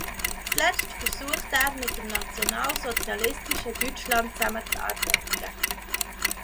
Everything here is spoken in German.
Zuletzt versuchte er mit dem nationalsozialistischen Deutschland zusammenzuarbeiten.